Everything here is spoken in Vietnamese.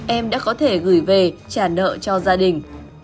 em đã có thể gửi về trả nợ cho gia đình